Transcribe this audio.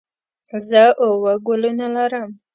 زه اووه ګلونه لرم.